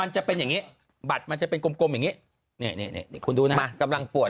มันจะเป็นอย่างนี้บัตรมันจะเป็นกลมอย่างนี้นี่คุณดูนะมากำลังป่วย